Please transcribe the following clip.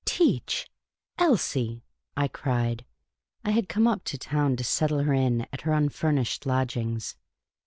''Teach/ Elsie," I cried. (I had come up to town to settle her in at her unfurnished lodgings.)